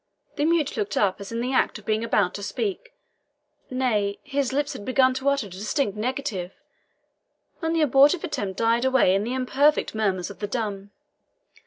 The mute looked up as in the act of being about to speak nay, his lips had begun to utter a distinct negative when the abortive attempt died away in the imperfect murmurs of the dumb.